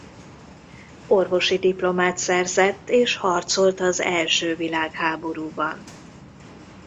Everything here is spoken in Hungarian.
Orvosi diplomát szerzett és harcolt az első világháborúban.